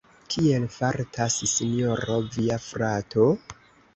Kiel fartas Sinjoro via frato?